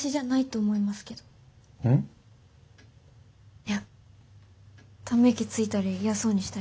いやため息ついたり嫌そうにしたり。